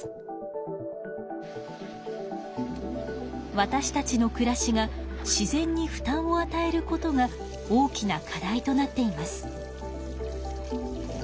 わたしたちのくらしが自然に負たんをあたえることが大きな課題となっています。